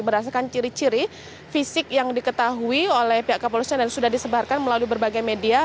berdasarkan ciri ciri fisik yang diketahui oleh pihak kepolisian yang sudah disebarkan melalui berbagai media